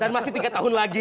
dan masih tiga tahun lagi